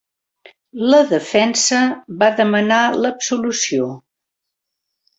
La defensa va demanar l'absolució.